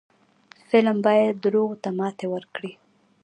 فلم باید دروغو ته ماتې ورکړي